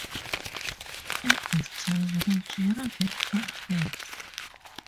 At this time Nigeria had twelve states.